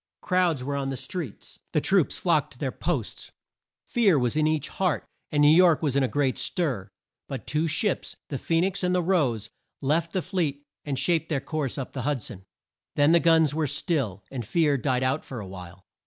Crowds were on the streets. The troops flocked to their posts. Fear was in each heart, and New York was in a great stir. But two ships the Phoe nix and the Rose left the fleet and shaped their course up the Hud son. Then the guns were still, and fear died out for a while.